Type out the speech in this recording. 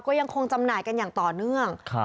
ก็ยังคงจำหน่ายกันอย่างต่อเนื่อง